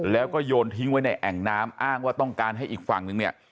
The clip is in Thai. แล้วก็โยนทิ้งไว้ในแอ่งน้ำอ้างว่าต้องการให้อีกฝั่งนึงเนี่ย